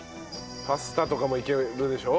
パスタとかもいけるでしょ。